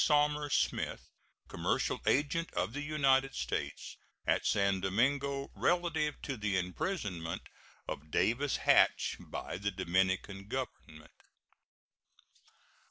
Somers Smith, commercial agent of the United States at San Domingo, relative to the imprisonment of Davis Hatch by the Dominican Government.